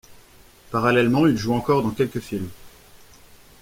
Parallèlement, il joue encore dans quelques films.